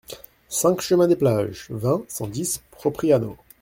cinq chemin des Plages, vingt, cent dix, Propriano